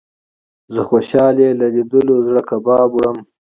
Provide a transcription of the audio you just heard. زه خوشال يې له ليدلو زړه کباب وړم